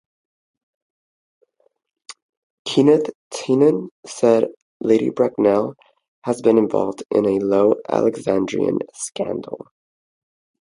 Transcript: Kenneth Tynan said, "Lady Bracknell has been involved in a low Alexandrian scandal".